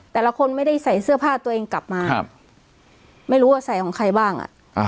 แต่ละคนไม่ได้ใส่เสื้อผ้าตัวเองกลับมาไม่รู้ว่าใส่ของใครบ้างอ่ะ